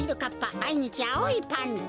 まいにちあおいパンツ。